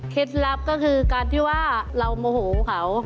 ลับก็คือการที่ว่าเราโมโหเขา